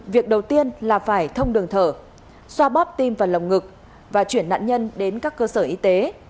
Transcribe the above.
việc đầu tiên là phải thông đường thở xoa bóp tim vào lồng ngực và chuyển nạn nhân đến các cơ sở y tế